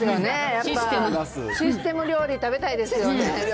やっぱシステム料理、食べたいですよね。